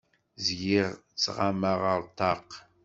Zgiɣ ttɣamaɣ ar ṭṭaq.